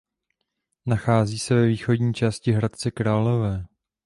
Nachází se ve východní části Hradce Králové.